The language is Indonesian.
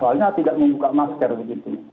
soalnya tidak membuka masker begitu